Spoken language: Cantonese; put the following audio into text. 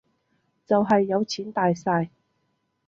就係有錢大晒